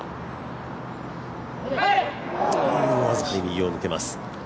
僅かに右を抜けます。